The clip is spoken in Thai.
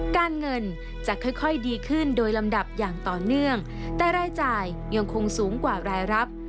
การเงินจะค่อยดีขึ้นโดยลำดับอย่างต่อเนื่องแต่รายจ่ายยังคงสูงกว่ารายรับ